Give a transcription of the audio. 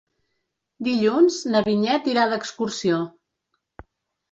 Dilluns na Vinyet irà d'excursió.